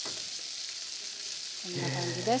こんな感じです。